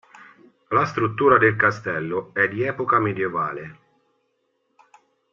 La struttura del Castello è di epoca medioevale.